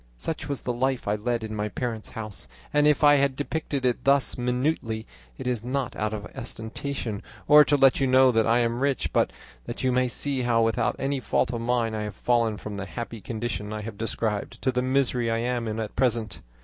Such was the life I led in my parents' house and if I have depicted it thus minutely, it is not out of ostentation, or to let you know that I am rich, but that you may see how, without any fault of mine, I have fallen from the happy condition I have described, to the misery I am in at present.